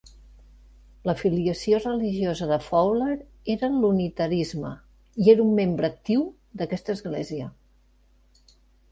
L'afiliació religiosa de Fowler era l'unitarisme i era un membre actiu d'aquesta església.